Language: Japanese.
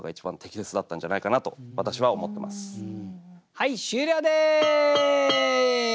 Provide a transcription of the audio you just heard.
はい終了です！